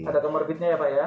ada comorbidnya ya pak ya